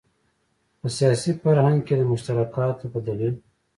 په سیاسي فرهنګ کې د مشترکاتو په دلیل.